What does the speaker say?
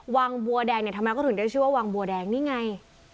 วังบัวแดงเนี่ยทำไมเขาถึงได้ชื่อว่าวังบัวแดงนี่ไง